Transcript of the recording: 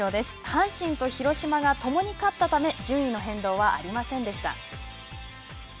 阪神と広島がともに勝ったため順位の変動はありませんでした。